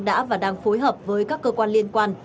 đã và đang phối hợp với các cơ quan liên quan